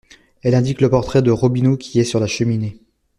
Elle indique le portrait de Robineau qui est sur la cheminée.